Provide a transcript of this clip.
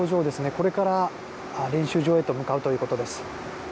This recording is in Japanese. これから練習場へと向かうということです。